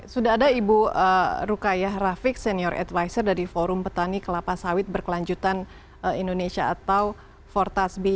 sudah ada ibu rukayah rafik senior advisor dari forum petani kelapa sawit berkelanjutan indonesia atau fortas b